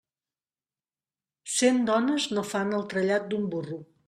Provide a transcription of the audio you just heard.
Cent dones no fan el trellat d'un burro.